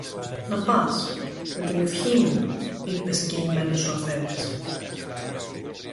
Να πας, με την ευχή μου, είπε συγκινημένος ο αφέντης